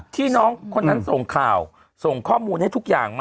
ที่น้องคนนั้นส่งข่าวส่งข้อมูลให้ทุกอย่างมา